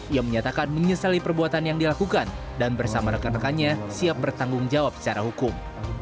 ia menyatakan menyesali perbuatan yang dilakukan dan bersama rekan rekannya siap bertanggung jawab secara hukum